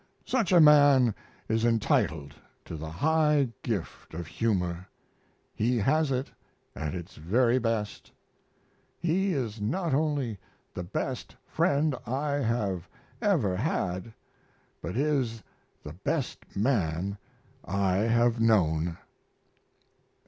Such a man is entitled to the high gift of humor: he has it at its very best. He is not only the best friend I have ever had, but is the best man I have known.